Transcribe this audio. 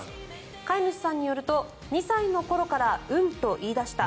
飼い主さんによると２歳の頃からうんと言い出した。